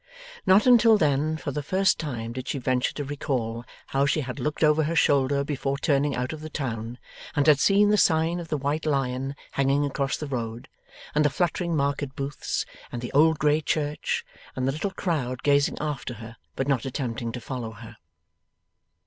Not until then for the first time did she venture to recall how she had looked over her shoulder before turning out of the town, and had seen the sign of the White Lion hanging across the road, and the fluttering market booths, and the old grey church, and the little crowd gazing after her but not attempting to follow her.